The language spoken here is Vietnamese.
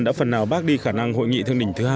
đã phần nào bác đi khả năng hội nghị thương đỉnh thứ hai